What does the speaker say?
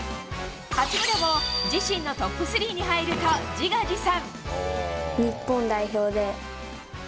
八村も自身のトップ３に入ると自画自賛。